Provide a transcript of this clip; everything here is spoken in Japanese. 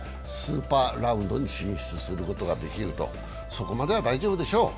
そこまでは大丈夫でしょう。